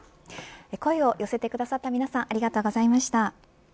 声を寄せてくださった皆さんありがとうございました。